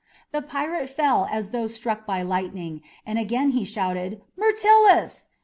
The pirate fell as though struck by lightning, and he again shouted "Myrtilus!"